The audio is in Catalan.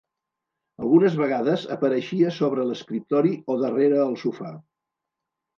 Algunes vegades apareixia sobre l'escriptori o darrere el sofà.